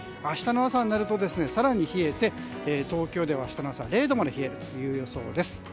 明日の朝になると更に冷えて東京では明日の朝０度まで冷えるという予想です。